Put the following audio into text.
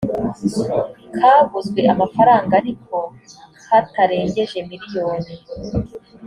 kaguzwe amafaranga ariko katarengeje miliyoni